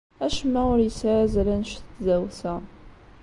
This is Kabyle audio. Acemma ur yesɛi azal anect n tdawsa.